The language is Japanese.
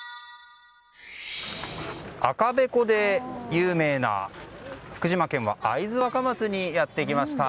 赤べこで有名な福島県は会津若松にやってきました。